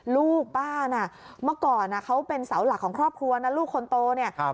ลูกป้าน่ะเมื่อก่อนเขาเป็นเสาหลักของครอบครัวนะลูกคนโตเนี่ย